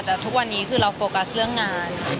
แต่ทุกวันนี้คือเราโฟกัสเรื่องงาน